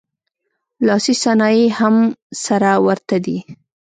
لاسي صنایع یې هم سره ورته دي